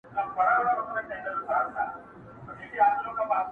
هره ورځ به درلېږي سل رحمتونه،